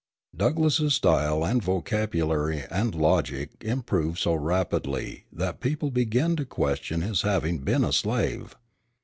Douglass's style and vocabulary and logic improved so rapidly that people began to question his having been a slave.